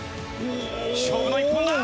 勝負の一本だ！